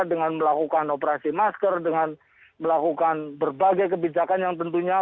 dengan melakukan operasi masker dengan melakukan berbagai kebijakan yang tentunya